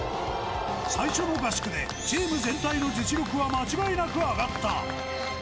最初の合宿でチーム全体の実力は間違いなく上がった。